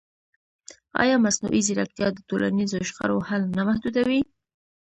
ایا مصنوعي ځیرکتیا د ټولنیزو شخړو حل نه محدودوي؟